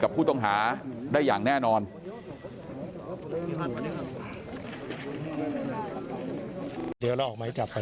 กลุ่มตัวเชียงใหม่